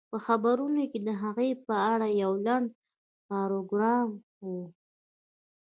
په خبرونو کې د هغې په اړه يو لنډ پاراګراف و